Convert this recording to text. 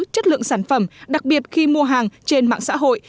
chất lượng sản phẩm đặc biệt khi mua hàng trên mạng xã hội